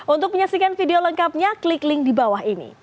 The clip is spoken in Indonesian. untuk menyaksikan video lengkapnya klik link di bawah ini